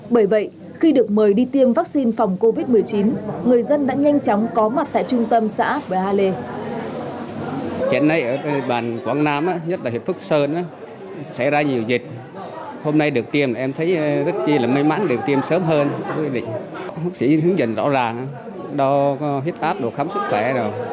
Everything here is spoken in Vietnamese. bởi vậy khi được mời đi tiêm vaccine phòng covid một mươi chín người dân đã nhanh chóng có mặt tại trung tâm xã bờ ha lê